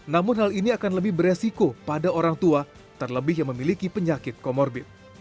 namun hal ini akan lebih beresiko pada orang tua terlebih yang memiliki penyakit komorbit